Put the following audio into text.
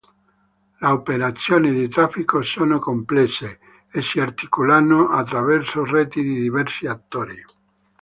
Le operazioni di traffico sono complesse, e si articolano attraverso reti di diversi attori.